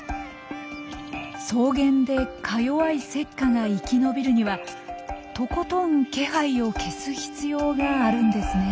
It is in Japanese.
草原でかよわいセッカが生き延びるにはとことん気配を消す必要があるんですね。